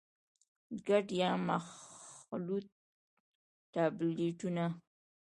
ګډ يا مخلوط ټابليټونه: